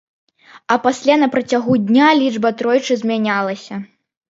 А пасля на працягу дня лічба тройчы змянялася.